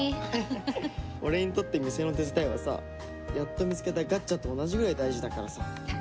俺にとって店の手伝いはさやっと見つけたガッチャと同じぐらい大事だからさ。